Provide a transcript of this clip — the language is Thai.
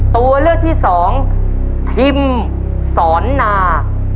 ตัวเลือกที่สองทิมสอนนา